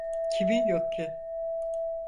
Kimin yok ki?